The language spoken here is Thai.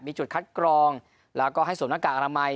มีจุดคัดกรองแล้วก็ให้สวมหน้ากากอนามัย